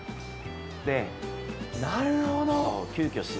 なるほど。